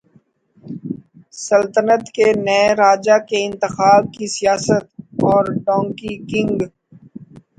سلطنت کے نئے راجا کے انتخاب کی سیاست اور ڈونکی کنگ